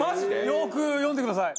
よく読んでください。